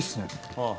ああ。